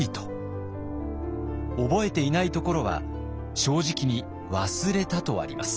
覚えていないところは正直に「ワスレタ」とあります。